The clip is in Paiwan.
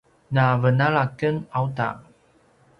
na venala ken auta